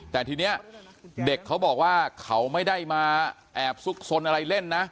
แต่ทีนี้เด็กเขาบอกว่าเขาไม่ได้มาแอบซุกซนอะไรเล่นนะ